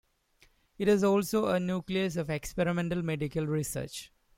It has also a nucleus of experimental medical research.